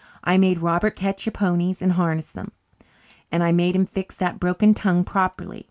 I made Robert catch your ponies and harness them. And I made him fix that broken tongue properly.